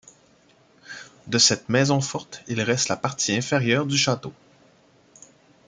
De cette maison forte, il reste la partie inférieure du château.